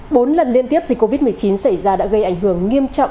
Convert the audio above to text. bốn lần liên tiếp dịch covid một mươi chín xảy ra đã gây ảnh hưởng nghiêm trọng